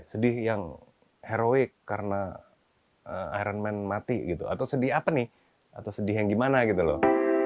sedih yang heroik karena iron man mati gitu atau sedih apa nih atau sedih yang gimana gitu loh